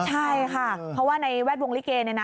ใช่ค่ะเพราะว่าในแวดวงลิเกเนี่ยนะ